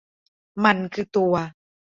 มันคือตัว